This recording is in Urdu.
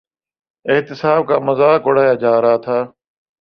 احتساب کا مذاق اڑایا جا رہا تھا۔